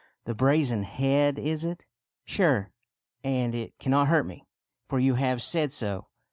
" The brazen head, is it ? Sure, and it cannot hurt me, for you have said so.